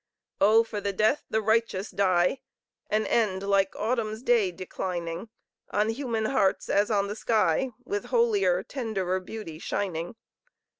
Oh, for the death the righteous die! An end, like Autumn's day declining, On human hearts, as on the sky, With holier, tenderer beauty shining!